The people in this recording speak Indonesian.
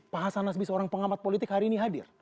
pak hasan nasbi seorang pengamat politik hari ini hadir